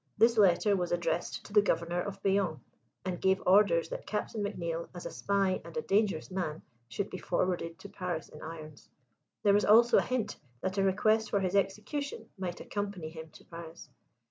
This letter was addressed to the Governor of Bayonne, and gave orders that Captain McNeill, as a spy and a dangerous man, should be forwarded to Paris in irons. There was also a hint that a request for his execution might accompany him to Paris.